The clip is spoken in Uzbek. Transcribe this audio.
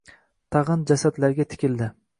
Tag‘in jasadlarga tikildi.